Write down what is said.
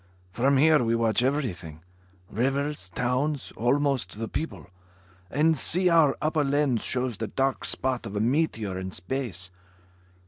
From here we watch everything; rivers, towns, almost the people. And see, our upper lens shows the dark spot of a meteor in space.